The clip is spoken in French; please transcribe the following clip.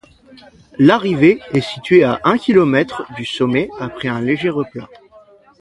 L'arrivée est située à un kilomètre du sommet après un léger replat.